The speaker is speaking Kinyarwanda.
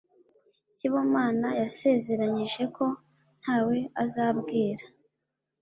Sibomana yasezeranyije ko ntawe azabwira.